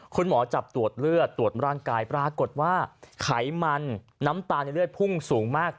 คุณหมอจับตรวจเลือดตรวจร่างกายปรากฏว่าไขมันน้ำตาลในเลือดพุ่งสูงมาก